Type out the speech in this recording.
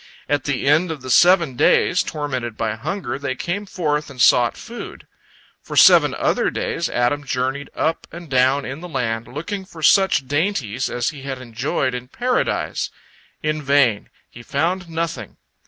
At the end of the seven days, tormented by hunger, they came forth and sought food. For seven other days, Adam journeyed up and down in the land, looking for such dainties as he had enjoyed in Paradise. In vain; he found nothing.